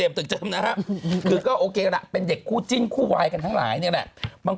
ในตึกอะไรก็มันไม่ได้เกี่ยวกับคน